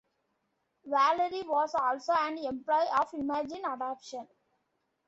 Valerie was also an employee of Imagine Adoption.